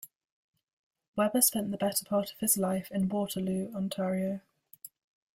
Weber spent the better part of his life in Waterloo, Ontario.